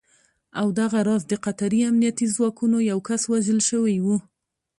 او دغه راز د قطري امنیتي ځواکونو یو کس وژل شوی و